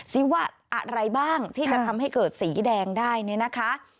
ซิว่าอะไรบ้างที่จะทำให้เกิดสีแดงได้เนี่ยนะคะ